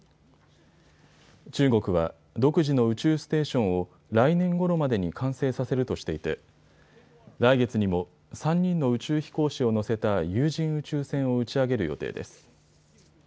中国は独自の宇宙ステーションを来年ごろまでに完成させるとしていて来月にも３人の宇宙飛行士を乗せた有人宇宙船を打ち上げる予定です。